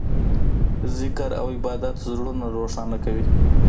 ذکر او عبادت زړونه روښانه کوي.